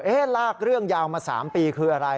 ลากเรื่องยาวมา๓ปีคืออะไร